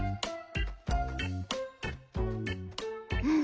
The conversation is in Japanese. うん。